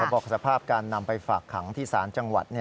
บอกสภาพการนำไปฝากขังที่ศาลจังหวัด